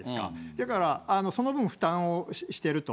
だから、その分、負担をしてると。